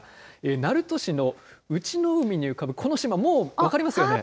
鳴門市のウチノ海に浮かぶこの島、もう分かりますよね。